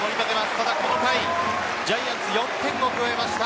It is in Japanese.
ただこの回ジャイアンツ、４点を奪いました。